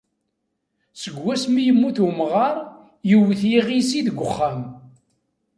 Seg wasmi yemmut umɣar, iwwet yiɣisi deg uxxam.